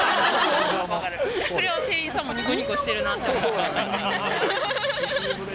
それは店員さんもにこにこしてるなって思って。